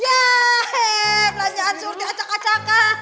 yay pelanjaan surdi acak acakan